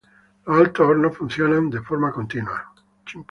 Los altos hornos funcionan de forma continua.